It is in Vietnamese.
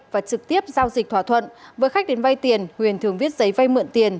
và trực tiếp giao dịch thỏa thuận với khách đến vay tiền huyền thường viết giấy vay mượn tiền